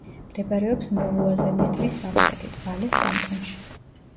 მდებარეობს მოვუაზენის ტბის სამხრეთით, ვალეს კანტონში.